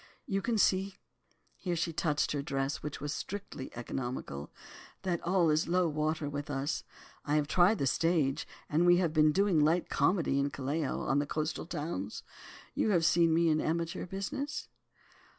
You can see—' here she touched her dress which was strictly economical—'that it is low water with us. I have tried the stage, and we have been doing light comedy in Callao, and the coast towns. You have seen me in the amateur business?